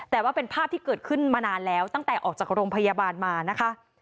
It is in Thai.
แต่ว่าเป็นภาพที่เกิดขึ้นมานานแล้วตั้งแต่ออกจากโรงพยาบาลมานะคะ